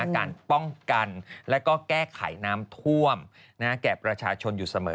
การป้องกันและแก้ไขน้ำท่วมแก่ประชาชนอยู่เสมอ